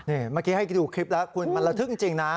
เมื่อกี้ให้ดูคลิปแล้วคุณมันระทึกจริงนะ